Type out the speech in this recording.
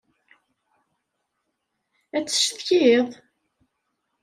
Ad d-ccetkiḍ!?